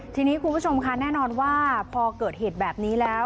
ทีนี้คุณผู้ชมค่ะแน่นอนว่าพอเกิดเหตุแบบนี้แล้ว